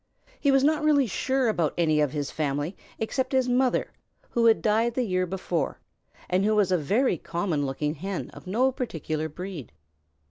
He was not really sure about any of his family except his mother, who had died the year before, and was a very common looking Hen of no particular breed.